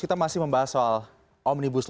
kita masih membahas soal omnibus law